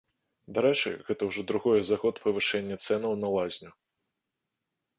Дарэчы, гэта ўжо другое за год павышэнне цэнаў на лазню.